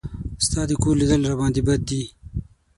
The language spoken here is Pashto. ستا د کور لیدل راباندې بد دي.